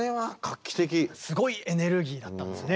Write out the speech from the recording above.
すごいエネルギーだったんですね。